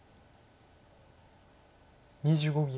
２５秒。